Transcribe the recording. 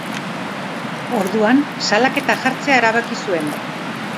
Orduan, salaketa jartzea erabaki zuen.